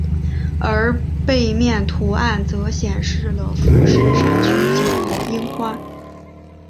而背面图案则显示了富士山取景和樱花。